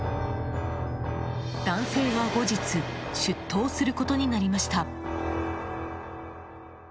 男性は後日出頭することになりました。